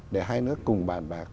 để hai nước cùng bàn bạc